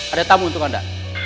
ada tamu untuk anda